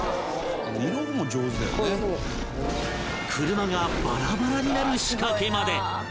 車がバラバラになる仕掛けまで